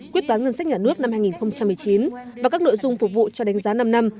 quyết toán ngân sách nhà nước năm hai nghìn một mươi chín và các nội dung phục vụ cho đánh giá năm năm